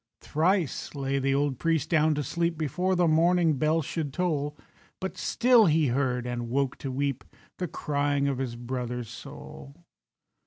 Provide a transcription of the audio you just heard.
Thrice lay the old priest down to sleep Before the morning bell should toll; But still he heard—and woke to weep— The crying of his brother's soul.